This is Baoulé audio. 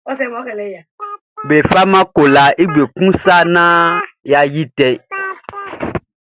E faman kolaʼn i bue kun sa naan yʼa yi tɛ.